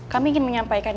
kami ingin menyampaikan